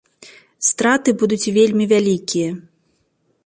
Страты будуць вельмі вялікія.